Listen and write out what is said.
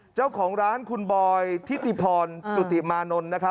เจ้าของร้านคุณบอยทิติพรจุติมานนท์นะครับ